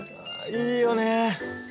いいよね。